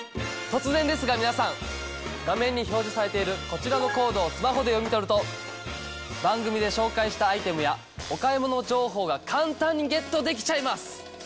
突然ですが皆さん画面に表示されているこちらのコードをスマホで読み取ると番組で紹介したアイテムやお買い物情報が簡単にゲットできちゃいます！